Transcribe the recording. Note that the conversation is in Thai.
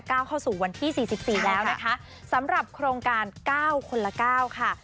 เก้าเข้าสู่วันที่๔๔แล้วนะคะสำหรับโครงการ๙คนละ๙ค่ะ